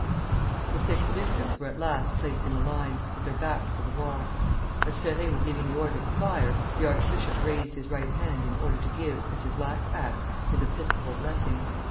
The six victims were at last placed in a line, with their backs to the wall. As Ferré was giving the order to fire, the archbishop raised his right hand in order to give, as his last act, his episcopal blessing.